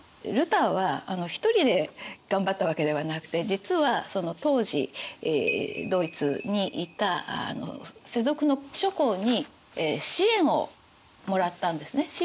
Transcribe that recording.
ルターは１人で頑張ったわけではなくて実はその当時ドイツにいた世俗の諸侯に支援をもらったんですね。